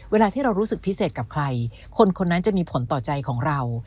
เวลาที่เรารู้สึกพิเศษกับใครคนคนนั้นจะมีผลต่อใจของเรา